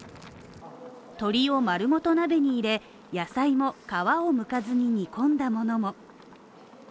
鶏を丸ごと鍋に入れ、野菜も皮をむかずに煮込んだものも。